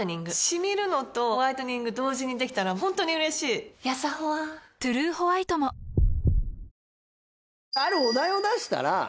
シミるのとホワイトニング同時にできたら本当に嬉しいやさホワ「トゥルーホワイト」もあるお題を出したら。